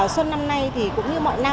xuân năm nay thì cũng như mọi năm